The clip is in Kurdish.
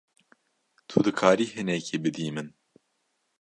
Tu dikarî hinekî bidî min?